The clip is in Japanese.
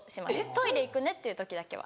トイレ行くねっていう時だけは。